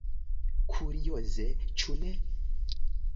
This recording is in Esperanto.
Kurioze, ĉu ne?